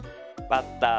バッター。